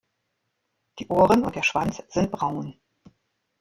Die Ohren und der Schwanz sind braun.